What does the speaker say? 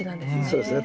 そうですね。